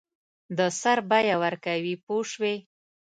د سر بیه ورکوي پوه شوې!.